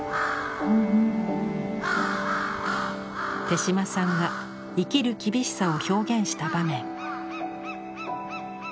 手島さんが生きる厳しさを表現した場面。